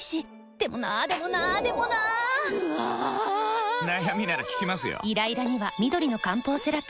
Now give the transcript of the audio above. でもなーでもなーでもなーぬあぁぁぁー！！！悩みなら聞きますよ。